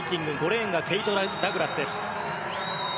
５レーンがケイト・ダグラスです。